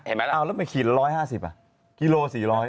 เอาแล้วไม่สูง๑๕๐นะกิโล๔๐๐